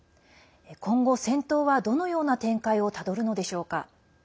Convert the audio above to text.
今後、戦闘はどのような展開をたどるのでしょうか。